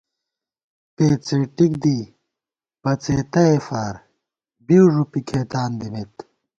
پېڅېٹِک دی پڅَېتَئے فار ، بِیؤ ݫُپی کھېتان دِمېت